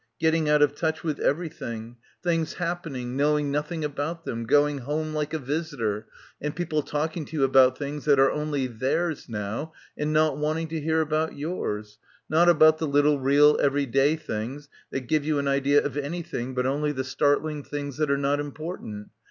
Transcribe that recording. Getting out of touch with everything, — 144 — BACKWATER things .happening, knowing nothing about them, going home like a visitor, and people talking to you about things that are only theirs now and not wanting to hear about yours ... not about the little real everyday things that give you an idea of anything but only the startling things that are not important.